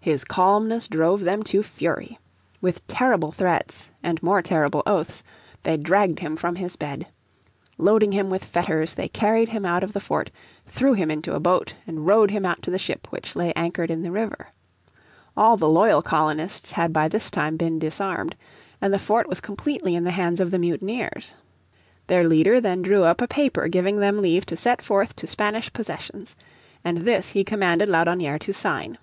His calmness drove them to fury. With terrible threats, and more terrible oaths, they dragged him from his bed. Loading him with fetters they carried him out of the fort, threw him into a boat and rowed him out to the ship which lay anchored in the river. All the loyal colonists had by this time been disarmed, and the fort was completely in the hands of the mutineers. Their leader then drew up a paper giving them leave to set forth to Spanish possessions. And this he commanded Laudonnière to sign.